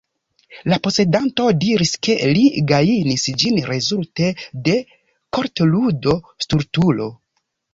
La posedanto diris, ke li gajnis ĝin rezulte de kartludo Stultulo.